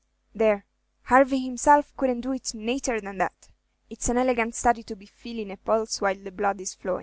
"There, Harvey himself couldn't do it nater than that. It's an elegant study to be feelin' a pulse while the blood is flowin'.